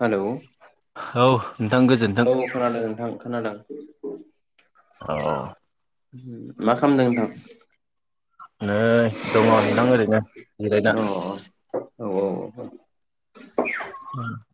Hello औ नोंथां गोजोन्थों। औ खोनादों नोंथां खोनादों औ मा खामदों नोंथां? नै दङ' नोंथां ओरैनो जिरायना। अ औ औ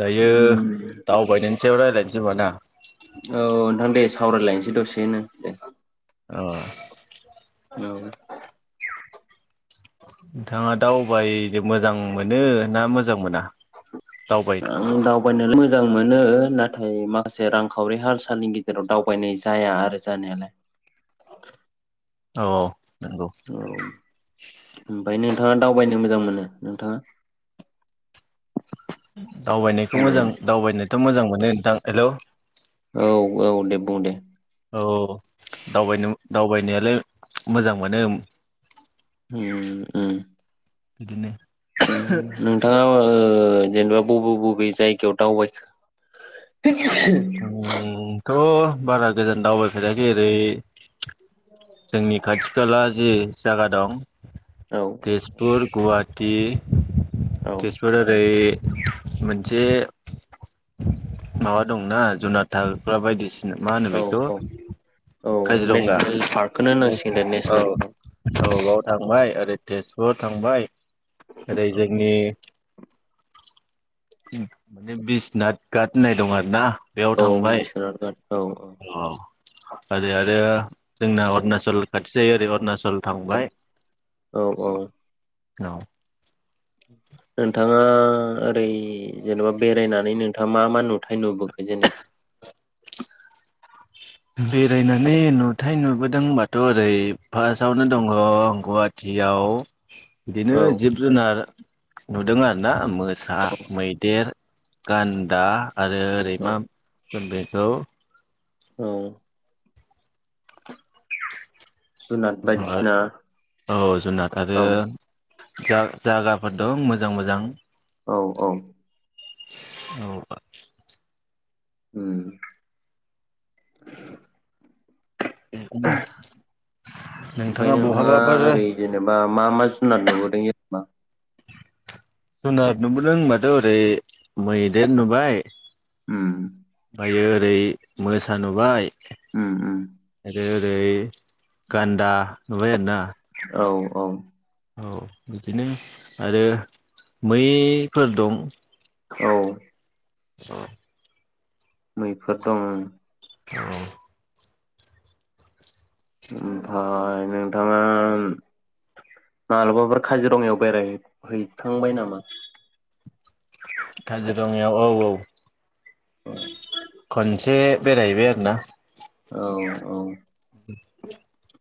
दायो दावबायनि सायाव रायलायन्सै होमबा ना? औ नोंथां दे सावरायलायनोसै दसेनो दे। अ औ नोंथाङा दावबायनो मोजां मोनो ना मोजां मोना? दावबाय आं दावबायनानै मोजां मोजां मोनो नाथाय माखासे रांखावरि हाल सालनि गेजेराव दावबायनाय जाया आरो जानायालाय। औ नंगौ औ ओमफ्रायनो नोंथाङा दावबायनो मोजां मोनो नोंथाङा? दावबायनायखौ हेलौ मोजां दावबायनो मोजां मोनो नोंथां हेलौ औ औ दे बुं दे औ दावबायनो दावबायनायालाय मोजां मोनो। हु उम बिदिनो ओं नोंथांङा ओ जेनेबा बबे बबे जायगायाव दावबायखो? [unintelligible] थ' बारा गोजान दावबायफेराखै ओेरै जोंनि खाथि खाला जि जागा दं औ तेजपुर, गुवाहा टि औ तेजपुर ओरै मोनसे माबा दंना जुनादथाग्रा बायदिसि फिनो मा होनो औ बेखौ औ औ काजिरंगा नेसनेल पार्कखौनो होनांसिगोन दे औ नेसनेल पार्क औ बाव थांबाय बे तेजपुराव थांबाय ओरै औ जोंनि इन माने बिस्नाथ गाट होननाय दं आरो ना। औ बिसोनाथ गाट अह [unintelligible] ओरै आरो जोंना उनासल खाथि जायो ओरै अरना अ औ औ औ नोंथांङा ओरै जेनेबा बेरायनानै नोंथांङा मा मा नुथाय नुबोखो जेनेबा? बेरायनानै नुथाय नुबोदोंबाथ' ओरै फार्स्टआवनो दंङ गुवाहाटियाव बिदिनो औ जिब जुनार नुदों आरो ना मो सा, मैदेर गान्दा आरो ओरै औ मा सो बेखौ औ [unintelligible] जुनाद बायदिसिना [unintelligible] औ जुनाद आरो औ जा-जागाफोर दं मोजां मोजां। औ औ। औबा। उम। बिदिनो ओमफाय नोंथाङा ओरै जेनेबा मा मा जुनार नुबोद [unintelligible] जुनाद नुबोदों होनबाथ' ओरै मैदेर नुबाय। हम। ओमफायो ओरै मोसा नुबाय। उम उम आरोे ओरै। गान्दा नुबार आरोना। औ औ। औ बिदिनो आरो मैफोर दं। औ अ। मैफोर दं उम। [unintelligible] ओमफाय नोंथाङा मालाबाफोर काजिरङायाव बेरायहैफ हैखांबाय नामा? काजिरङायाव औ औ। [unintelligible] खनसे बेरायहैबाय आरो ना‌। औ औ‌। [inaudible]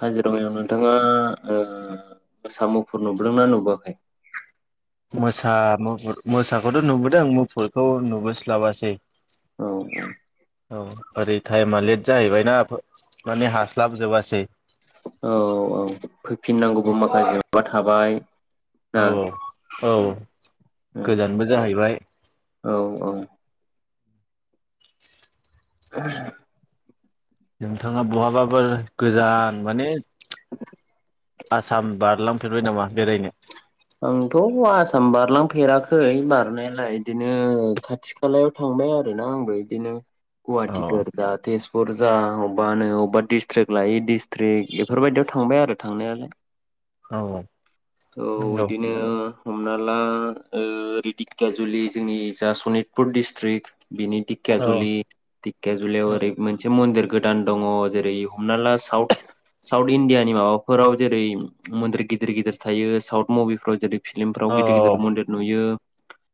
काजिरङायाव नोंथाङा ओ मोसा मुफुर नुबोदोंनाा नुबोआखै? मोसा मुफुर मोसाखौथ नुबोदों मुफुरखौ नुबोस्लाबासै। औ औ ओरै टाइमा लेट जाहैबायना फो माने हास्लाबजोबासै। औ औ फैफिननांगौबो माखासे माबा थाबाय। ना औ औ गोजानबो जाहैबाय। औ ओह नोंथाङा बहाबफोर गोजान माने। आसाम बारलांफेरबाय नामा बेरायनो? आंथ आसाम बारलांफेराखै बारनायालाय इदिनो खाथि खालायाव थांबाय आरोना आंबो इदिनो। औ गुवाहाटिफोर जा तेजपुरज जा अबबानो अबबा डिस्ट्रेक लायि डिस्ट्रेक एफोरबायदियाव थांबाय आरो थांनायालाय। औ अंगौ ओ हमना ला ओ रिदिककिया जुलि जोंनि जा सनितपुर डिस्ट्रिक्ट। बिनि औ धिककियााजुलि धिककियााजुलियाव औ ओरै मोनसे मन्दिरग गोदान दङ जेरै हमना ला साउथ साउथ इण्डियानि माबाफोराव जेरै मन्दिर गिदिर गिदिर थायो साउथ। मभिफोराव जेदैफ। फिलिमफोराव औ गिदिर गिदिर मन्दिर नुयो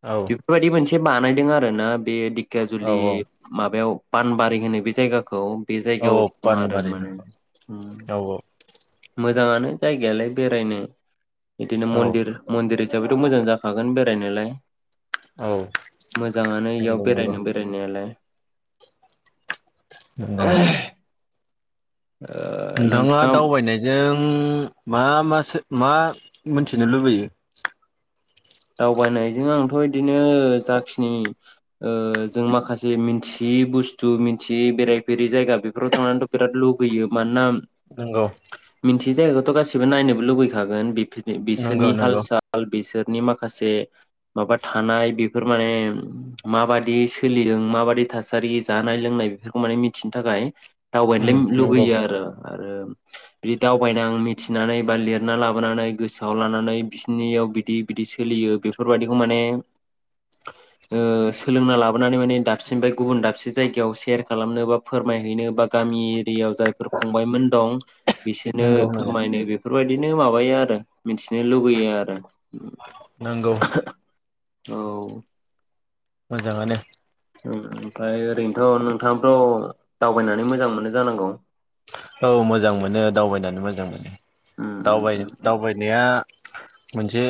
औ औ बेफोरबायदि मोनसे बानायदों आरो आरो ना बे दिक दिकेेयाजुलि औ माबायाव पानबारि होनो बे जायगाखौ बे औ जायगायाव दं आरो पानबारि ना माने औ मोजाङानो जायगायालाय बेरायनो बिदिनो औ मन्दिर मन्दिर हिसाबैथ' मोजां जाखागोन बे रायनोलाय औ मोजाङानो इयाव नंगौ नंगौ बेरायनो बेरायनायालाय नंगौ नोंथाङा दावबायनायजों मा मासो मा मोनथिनो लुबैयो दावबायनायजों आंथ' बिदिनो जाखिनि ओ जों माखासे मिथियै बुस्थु मिथियै बेरायफेरै जायगा बेफोराव थांनानैथ' बिराद लुगैयो मानोना नंगौ न्थियौ जायगाखौथ' गासिबो नायनोबो लुुबैखागोन बि नंगौ बिसोरनि हाल नंगौ साल बिसोर नि माखासे माबा थानाय बे बेफोर माने माबादि सोलिदों माबादि थासारि जानाय लोंनाय बेफोरखौ माने मिथिनो थाखाय उम दावबायनोलाय नंगौ लुगैयो आरो आरो बिदि दावबायना आ मिथिनानै बा लिरना लाबोनानै गोसोआव लानानै बिसोरनियाव बिदि बिदि सोलियो बेफोरबायाददिखौ माने ओ सोलोंना लाबोनानै माने दाबसेनिफ्राय गुबुन दाबसे जायगायाव सेयार खालामनो बा फोरमायहैनो बा गामि एरियायाव जायफोर फंबायमोन दं बिसोरनो नंगौ नंगौ फोरमायनो बेफोर बेफोरबायदिनो माबायो आरो मिथिनो लुुबैयो आरो नंगौ औ मोजाङानो ओंओमफ्राय ओरैनोथ' नोंथाङाथ' दावबायनानै मोजां मोनो जानांगौ औ मोजां मोनो दावबायनानै मोजां मोनो उम उम उम दावबायनाया मोनसे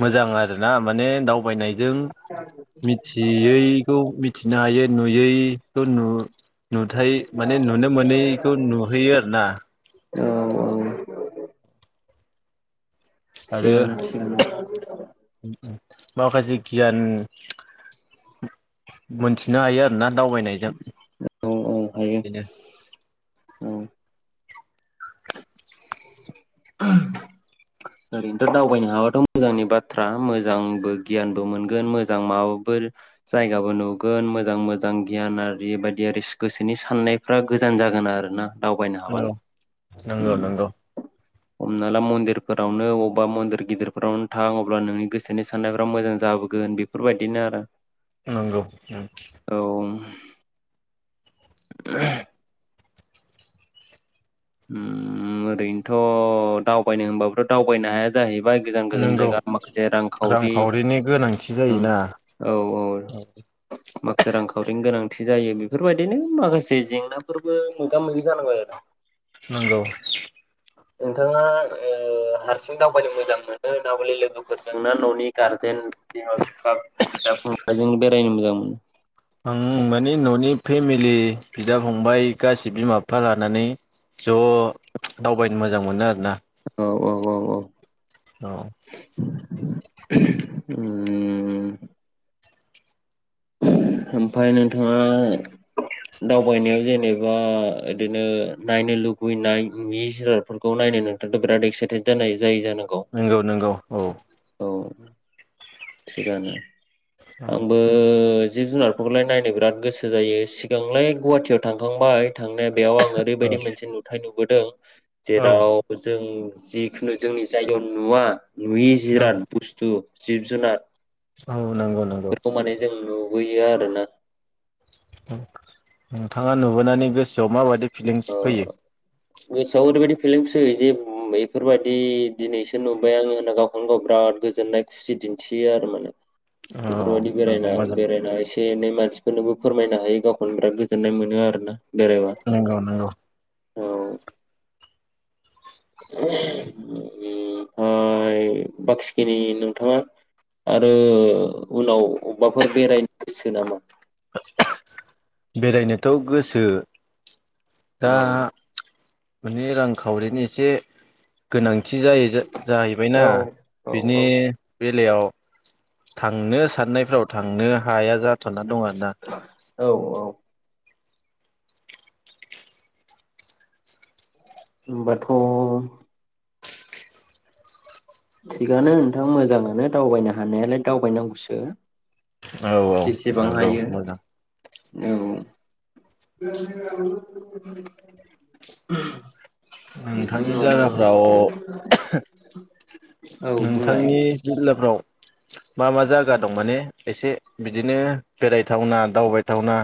मोजां आरोना माने दावबायनाय जों मिथियैखौ मि नायननो हायो नुयैखो' नु नुथाय माने नु नो मोनैखौ नुहैयो आरो ना औ औ आरो थिगानो थिगानो माखासे गियान मोनथिनो हायो आरो ना दावबायनायजों औ औ हायो बिनो औ [inaudible] ओरैनोथ' दावबायनो हाबाथ' मोजांनि बाथ्रा मोजांबो गियानबो मोनगोन मोजां माबाफोर जायगाबो नुगोन मोजां मोजां गियान आरि बायदि आरो गोसोनि साननायफ्रा गोजान जागोन आरो ना। दावबायनो औ हाबा नो नंगौ उम नंगौ हमना ला मन्दिर फोरावनो अबेबा मन्दिर गिदिरफोरावनो थां अब्ला नोंनि गोसोनि साननायफोरा मोजां जाबोगोन बेफोरबायदिनो आरो नंगौ उम औ [inaudible] उम ओरैनोथ' दावबायनो होनबाबोथ' दावबायनो हाया जाहै बाय गोजान गोजान नंगौ जायगा माखासे रां खावरि रांखावरिनि गोनांथि ओं जायोना औ औ माखासे रांखावरिनि गोनां थि जायो बेफोरबायदिनो माखासे जेंनाफोरबो मोगा मोगि जानांगौ आरो नंगौ। नोंथाङा ओ हारसिं दावबायनो मोजां मोनो ना बलि लोगोफोरजों ना न'नि गारजेन बिमा बि फा, बिदा, फंबायजों दायनो मोजां मोनो। आं माने न'नि फेमिलि बिदा, फंबाय गासै बिमा-बिफा लानानै ज' दावबायनो मो जां मोनो आरो ना। औ औ औ औ औ उम ओमफाय नोंथाङा दावबायनायाव जेनेबा इदिनो नायनो लुगैनाय मि-जिरादफोरखौ नायनो नोंथाङा बिराद एक्साइटेड जानाय जायो जानां नंगौ नंगौ औ थिगानो आंबो जिब-जुनारफोरखौलाय नायनो बिराद गोसो जायो सिगांलाय गुवाहाटियाव थांखांबाय थांनाय बेयाव आं औ ओरैबायदि मोनसे नुथाय नुबो दों। औ जेराव जों जिखुनु जोंनि जायगायाव नुवा नुयि नंगौ जिराद बुस्थु जिब-जुनार औ नंगौ। नंगौ बेफोरखौ माने जों नु नुयो आरो ना। नोंथाङा नुबोनानै गोसोआव माबायदि फिलिंस ओ फैयो। गोसोआव ओरैबायदि फेलिंच फैयो जे बेफोरबायदि दिनैसो नुबाय आङो होनना गावखौनो गाव बिराद गोजोननाय खुसि दिन्थियो आरो माने। औ बेफोरबायदि नंगौ बेरायना मोजां बेरायना एसे एनै मान मानसिफोरनोबो फोरमायनो हायो गावखौनो बिराद गोजोन्नाय मोनो आरो ना। नोंगौ नोंगौ। औ [unintelligible] ओमफ्राय बाखि खिनि नोंथाङा आरो उनाव अबावबाफोर बेरायनो गोसो नामा? बेरायनोथ' गोसो। दा औ माने रांखावरिनि एसे गोनांथि जायो। औ जाहैबायना औ बिनि औ बे बेलायाव थांनो साननायफ्राव थांनो हाया जाथ'ना दं। आरोना औ औ होमबाथ' थिगानो नोंथां मोजाङानो दावबायनो हानायालाय दावबायनांगौसो। औ औ जेसेबां नंगौ हायो मोजां। औ [unintelligible] बिदि नोंथांनि नो जायगाफ्राव नोंथांनि जिल्ला फ्राव मा मा जायगा दं माने एसे बिदिनो बेरायथावना दावबायथावना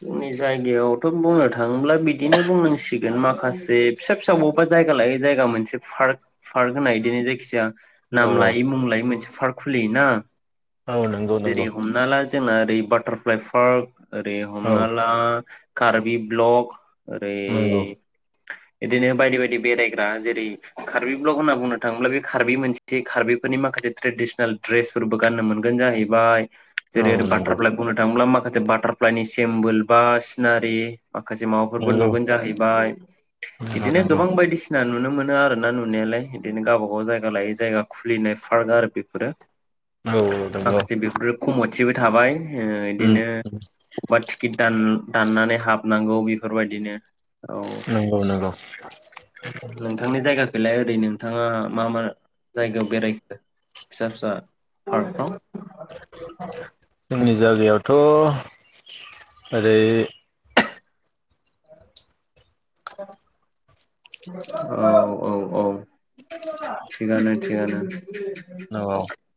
जोंनि जायगायावथ' बुंनो थाङोब्ला बिदिनो बुंनांसिगोन माखासे फिसा फिसा बबेबा जायगा लायो जायगा मोनसे पार्क पार्क होननाय बिदिनो जायखिजाया औ नाम लायै मुं लायै मोनसे फार्क खुलियोना। औ नंगौ जेरै नंगौ। हमना ला जोंना ओरै बाटारफ्लाइ पार्क ओरै औ हमना ला कारबि ब्लक ओरै नंगौ बिदिनो बायदि बायदि बेरायग्रा जेरै कार्बि ब्लग होनना बुंनो थाङोब्ला बे कार्बि मोनसे कार्बिफोरनि माखासे ट्रेडिसनेल ड्रेसफोरबो गाननो मोनगोन जाहैबाय औ जेरै नंगौ बाटारफ्लाइ बुंनो थांब्ला मा बाटारफ्लायनि सि सेम्बोल बा सिनारि। माखासे माबाफोरबो नंगौ नुगोन जाहैबाय नंगौ बिदिनो नंगौ गोबां बायदिसि ना नुनो मोनो आरो ना नुनायालाय बिदिनो गावबा गाव जायगा लायै जायगा खुलिनाय फार्क आरो बेफोरो। औ औ नंगौ माखासे बेफोर खमथिबो थाबाय ओ उम इदिनो बा टिकिट दान दाननानै हाबनांगौ बेफोरबायदिनो औ नंगौ नंगौ नोंथांनि जायगाखैलाय ओरैनो नोंथाङा मा मा जायगायाव बेरायखो फिसा फिसा फार्कफ्राव जागायावथ' ओरै [unintelligible] औ औ औ थिगानो थिगानो औ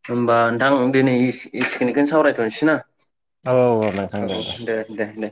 होमबा दा नोंथांं दिनै एस-एसिनिकिनिखौनो सावरायथ'नोसै ना। औ औ नोथां दे दे। औ दे दे